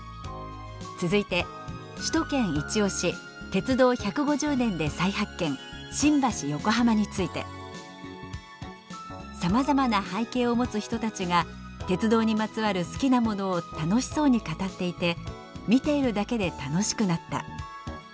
「鉄道１５０年で再発見新橋横浜」について「さまざまな背景を持つ人たちが鉄道にまつわる好きなものを楽しそうに語っていて見ているだけで楽しくなった」